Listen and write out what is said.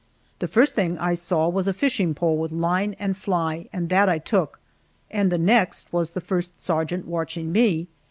The first thing I saw was a fishing pole with line and fly, and that I took, and the next was the first sergeant watching me.